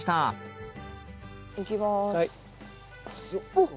おっ。